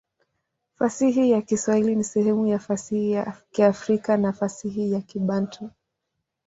Fasihi ya Kiswahili ni sehemu ya fasihi ya Kiafrika na fasihi ya Kibantu.